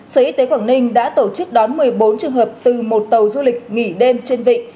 sở y tế quảng ninh đã tổ chức đón một mươi bốn trường hợp từ một tàu du lịch nghỉ đêm trên vịnh